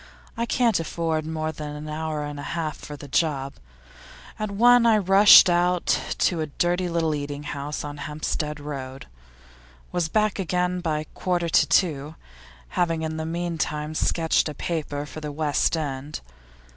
I can't afford more than an hour and a half for that job. At one, I rushed out to a dirty little eating house in Hampstead Road. Was back again by a quarter to two, having in the meantime sketched a paper for The West End.